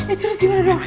eh terusin dulu